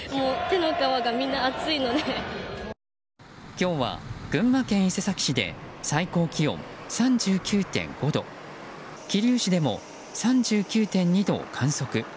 今日は群馬県伊勢崎市で最高気温３９．５度桐生市でも３９．２度を観測。